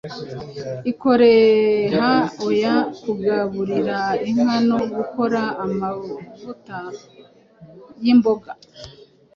Ikoreha oya kugaburira inka no gukora amavuta yimboga